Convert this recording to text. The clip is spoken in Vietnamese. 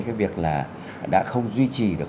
cái việc là đã không duy trì được